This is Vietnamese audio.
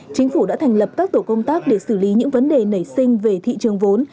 chính phủ đã thành lập các tổ công tác để xử lý những vấn đề nảy sinh về thị trường vốn